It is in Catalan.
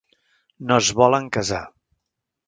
No es volen casar.